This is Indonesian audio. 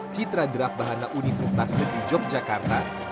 citra draft bahana universitas negeri yogyakarta